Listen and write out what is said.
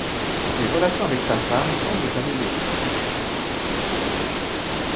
Ses relations avec sa femme semblent s'améliorer.